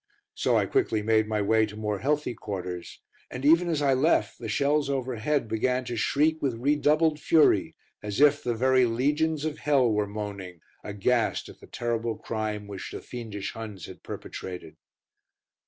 So I quickly made my way to more healthy quarters, and even as I left the shells overhead began to shriek with redoubled fury, as if the very legions of hell were moaning, aghast at the terrible crime which the fiendish Huns had perpetrated.